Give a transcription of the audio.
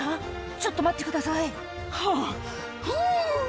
「ちょっと待ってくださいはぁふぅん！」